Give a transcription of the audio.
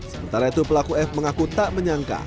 sementara itu pelaku f mengaku tak menyangka